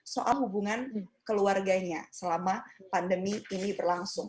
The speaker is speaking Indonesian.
soal hubungan keluarganya selama pandemi ini berlangsung